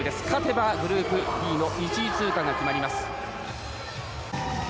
勝てばグループＢの１位通過が決まります。